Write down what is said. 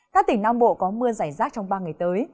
các tỉnh nam bộ có mưa rải rác trong ba ngày tới